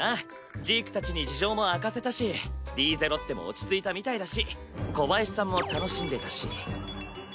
ジークたちに事情も明かせたしリーゼロッテも落ち着いたみたいだし小林さんも楽しんでたし。